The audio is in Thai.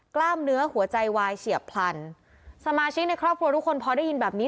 กล้ามเนื้อหัวใจวายเฉียบพลันสมาชิกในครอบครัวทุกคนพอได้ยินแบบนี้